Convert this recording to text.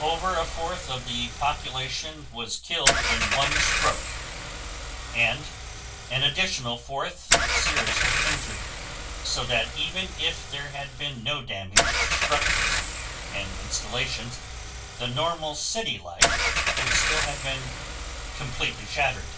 Over a fourth of the population was killed in one stroke and an additional fourth seriously injured, so that even if there had been no damage to structures and installations the normal city life would still have been completely shattered.